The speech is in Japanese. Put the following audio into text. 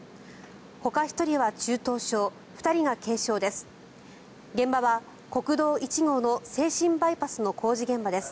ほか１人は中等症２人が軽傷です。